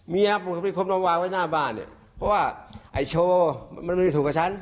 เมียปกติความต้องวางไว้หน้าบ้านเพราะว่าไอ้โชว์มันไม่สูงกับฉัน